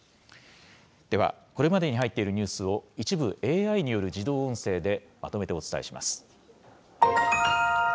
では、これまでに入っているニュースを、一部ＡＩによる自動音声で、まとめてお伝えします。